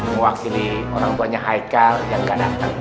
mewakili orang tuanya haikal yang gak datang